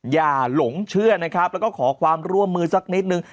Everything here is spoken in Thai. อย่าหลงเชื่อแล้วก็ขอความร่วมมือสักนิดนึง